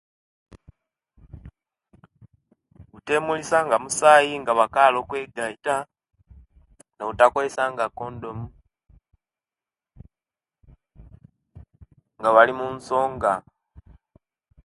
Butemulisia nga musayi nga bakkali okwegaita nebutakozesia nga kondomu nga bali munsonga